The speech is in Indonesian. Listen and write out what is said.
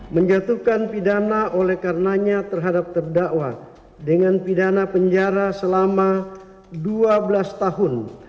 menjatuhkan pidana oleh karenanya terhadap terdakwa dengan pidana penjara selama dua belas tahun